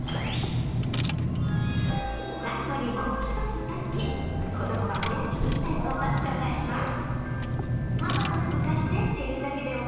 最後にもう一つだけ「子どもが親に言いたいこと」紹介します。